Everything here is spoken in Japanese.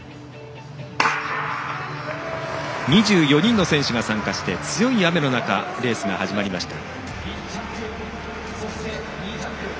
２４人の選手が参加して強い雨の中レースが始まりました。